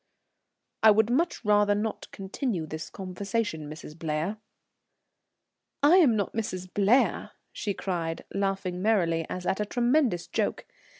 '" "I would much rather not continue this conversation, Mrs. Blair." "I am not 'Mrs. Blair,'" she cried, laughing merrily as at a tremendous joke.